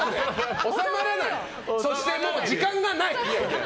そしてもう時間がない！